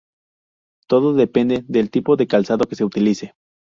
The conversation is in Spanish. Todo depende del tipo de calzado que se utilice.